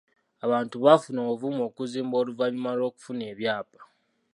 Abantu baafuna obuvumu okuzimba oluvannyuma lw'okufuna ebyapa.